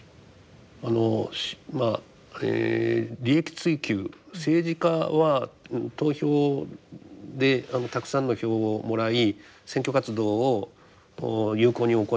あのまあ利益追求政治家は投票でたくさんの票をもらい選挙活動を有効に行う。